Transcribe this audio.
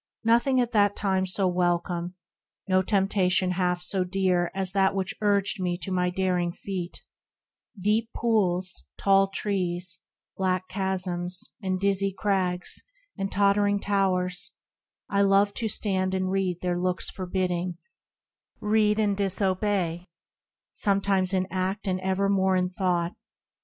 Nothing at that time So welcome, no temptation half so dear THE RECLUSE 47 As that which urged me to a daring feat, Deep pools, tall trees, black chasms, and dizzy crags, And tottering towers : I loved to stand and read Their looks forbidding, read and disobey, Sometimes in act and evermore in thought.